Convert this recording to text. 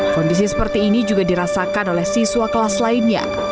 kondisi seperti ini juga dirasakan oleh siswa kelas lainnya